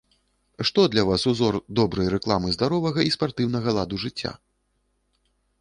Што для вас ўзор добрай рэкламы здаровага і спартыўнага ладу жыцця?